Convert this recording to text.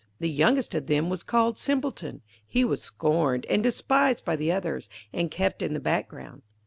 The youngest of them was called Simpleton; he was scorned and despised by the others, and kept in the background.